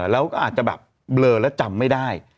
แล้วก็อาจจะแบบเบลอแล้วจำไม่ได้